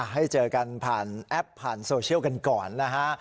ให้เจอกันผ่านแอปผ่านโซเชียลกันก่อนนะฮะ